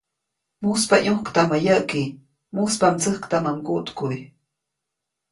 ‒Muspa ʼyũktamä yäʼki, mujspa mdsäjktamä mguʼtkuʼy-.